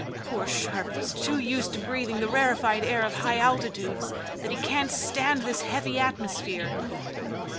Poor Sharp was so used to breathing the rarified air of high altitudes that he can't stand this heavy atmosphere."